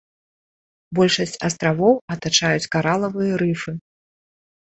Большасць астравоў атачаюць каралавыя рыфы.